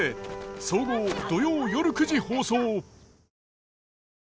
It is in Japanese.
総合土曜夜９時放送！